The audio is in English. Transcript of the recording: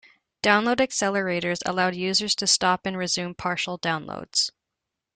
Download accelerators allowed users to stop and resume partial downloads.